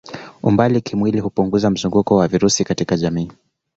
Umbali kimwili hupunguza mzunguko wa virusi katika jamii.